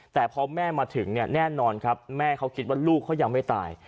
แต่พอแม่มาถึงเนี่ยแน่นอนครับแม่เขาคิดว่าลูกเขายังไม่ตาย